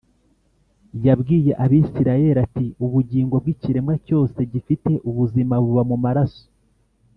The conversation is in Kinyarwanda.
yabwiye Abisirayeli ati ubugingo bw ikiremwa cyose gifite ubuzima buba mu maraso